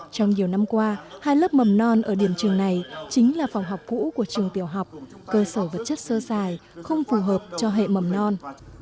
trong nhiều năm qua hai lớp mầm non ở điểm trường này chính là phòng học cũ của trường tiểu học cơ sở vật chất sơ dài không phù hợp cho hệ mầm non